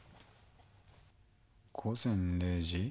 午前０時？